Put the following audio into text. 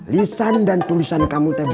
lisan dan tulisan kamu tebu